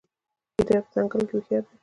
ګیدړ په ځنګل کې هوښیار دی.